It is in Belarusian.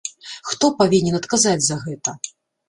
Хто павінен адказаць за гэта?